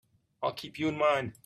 I'll keep you in mind.